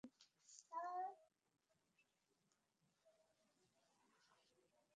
তাতে শ্রীলঙ্কা ফাইনালে গেলে যাক, ওয়েস্ট ইন্ডিজ বাদ পড়ে গেলে পড়ুক।